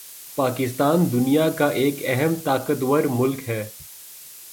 پاکستان دنیا کا ایک اہم طاقتور ملک ہے